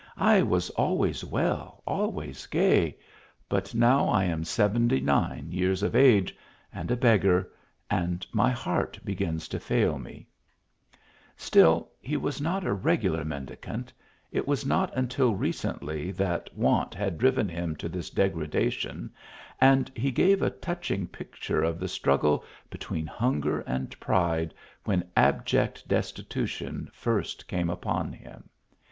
I was always well, always gay ; but now I am seventy nine years of age, and a beggar, and my heart begins.to fail .me." THE JOURNEY. 21 Still he was not a regular mendicant, it was not until recently that want had driven him to this de gradation, and he gave a touching picture of the struggle between hunger and pride, when abject des titution first came upon him.